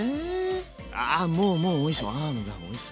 あもうもうおいしそう！